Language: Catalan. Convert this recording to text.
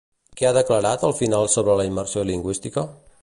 Què ha declarat al final sobre la immersió lingüística?